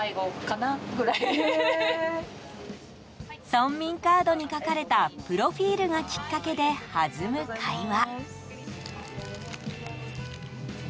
村民カードに書かれたプロフィールがきっかけで弾む会話。